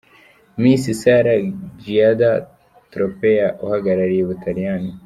Miss Sara Giada Tropea uhagarariye u Butaliyani.